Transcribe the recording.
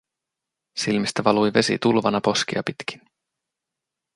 Silmistä valui vesi tulvana poskia pitkin.